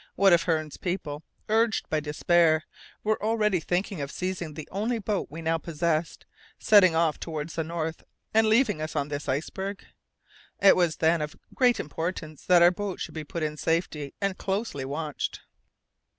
What if Hearne's people, urged by despair, were already thinking of seizing the only boat we now possessed, setting off towards the north, and leaving us on this iceberg? It was, then, of great importance that our boat should be put in safety and closely watched.